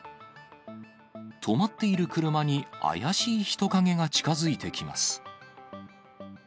止まっている車に怪しい人影が近づいてきます。